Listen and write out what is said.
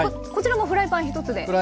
こちらもフライパン１つで？